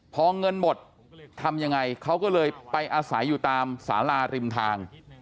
พอเงินหมดทำยังไงเขาก็เลยไปอาศัยอยู่ตามสาราริมทาง